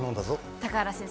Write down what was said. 高原先生